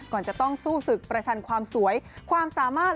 ก่อนจะต้องสู้ศึกประชันความสวยความสามารถ